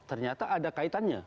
ternyata ada kaitannya